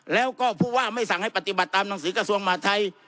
แล้วก็ผู้ว่าไม่สั่งให้ปฏิบัติตามหนังสือกระทรวงมหาทัย